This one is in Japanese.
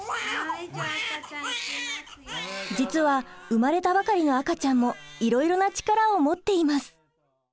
実は生まれたばかりの赤ちゃんもいろいろな力を持っています！